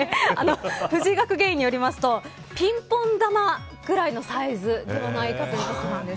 藤井学芸員によりますとピンポン玉くらいのサイズではないかということなんです。